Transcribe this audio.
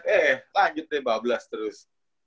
eh lanjut deh bablas terus